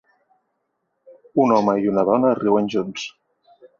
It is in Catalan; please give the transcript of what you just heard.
un home i una dona riuen junts